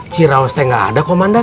ciraus teh gak ada komandan